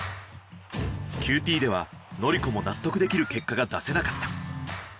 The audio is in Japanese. ＱＴでは宜子も納得できる結果が出せなかった。